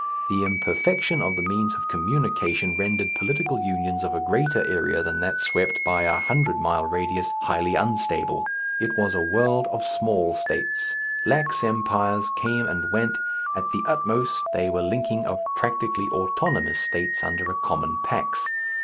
The imperfection of the means of communication rendered political unions of a greater area than that swept by a hundred mile radius highly unstable. It was a world of small states. Lax empires came and went, at the utmost they were the linking of practically autonomous states under a common Pax.